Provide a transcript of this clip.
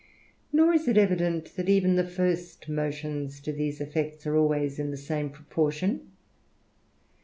Nor is it evident, tliat even the first motions lo these effects are always in the same proportion.